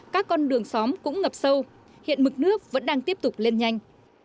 cũng ngập sâu hiện mực nước vẫn đang tiếp tục lên nhanh